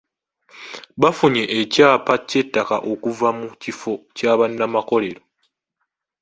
Baafunye ekyapa ky'ettaka okuva mu kifo kya bannamakorero.